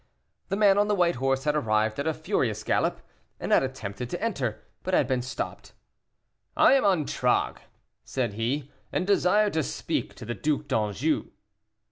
The man on the white horse had arrived at a furious gallop, and had attempted to enter, but had been stopped. "I am Antragues," said he, "and desire to speak to the Duc d'Anjou."